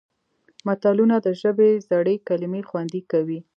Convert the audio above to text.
متلونه د ژبې زړې کلمې خوندي کوي